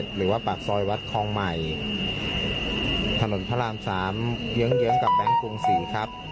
หรือว่าปากซอยวัดคลองใหม่ถนนพระรามสามเยื้องกับแบงค์กรุงศรีครับ